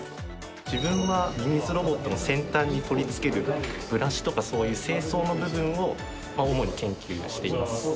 自分はミミズロボットの先端に取り付けるブラシとかそういう清掃の部分を主に研究しています。